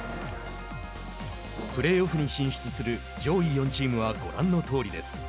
プレーオフに進出する上位４チームはご覧のとおりです。